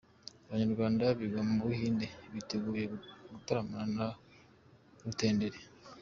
Abanyarwanda biga mu Buhinde biteguye gutaramana na Rutenderi